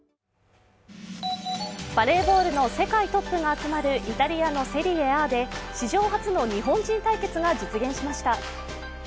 バレーボールの世界トップが集まるイタリアのセリエＡで史上初の日本人対決が実現しました。